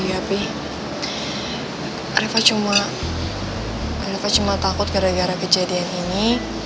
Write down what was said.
tapi reva cuma takut gara gara kejadian ini